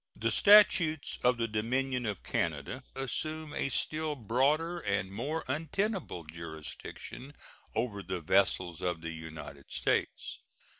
The statutes of the Dominion of Canada assume a still broader and more untenable jurisdiction over the vessels of the United States.